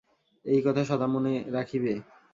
এই কথা সদা মনে রাখিবে।